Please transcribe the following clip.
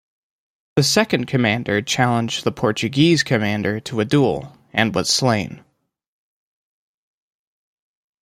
The second commander challenged the Portuguese commander to a duel and was slain.